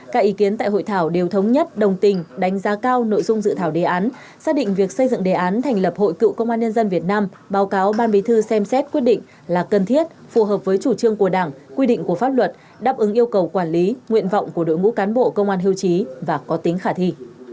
các ý kiến tại hội thảo đều thống nhất đồng tình đánh giá cao nội dung dự thảo đề án xác định việc xây dựng đề án thành lập hội cựu công an nhân dân việt nam báo cáo ban bí thư xem xét quyết định là cần thiết phù hợp với chủ trương của đảng quy định của pháp luật đáp ứng yêu cầu quản lý nguyện vọng của đội ngũ cán bộ công an hưu trí và có tính khả thi